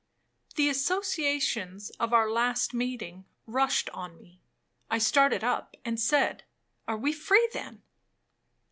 The associations of our last meeting rushed on me. I started up, and said, 'Are we free, then?'